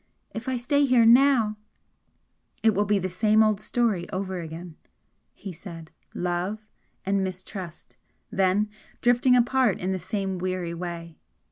If I stay here now " "It will be the same old story over again!" he said "Love and mistrust! Then drifting apart in the same weary way!